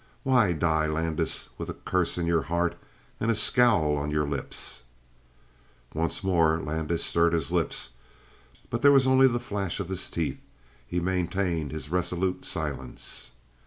Why die, Landis, with a curse in your heart and a scowl on your lips?" Once more Landis stirred his lips; but there was only the flash of his teeth; he maintained his resolute silence.